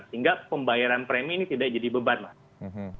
sehingga pembayaran premi ini tidak jadi beban mas